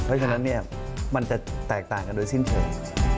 เพราะฉะนั้นเนี่ยมันจะแตกต่างกันโดยสิ้นเชิง